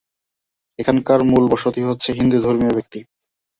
এখানকার মুল বসতি হচ্ছে হিন্দু ধর্মিয় ব্যক্তি।